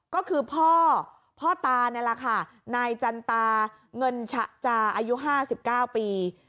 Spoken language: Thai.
ก็คือพ่อพ่อตานี่แหละค่ะนายจันตาเงินฉะจาอายุ๕๙ปี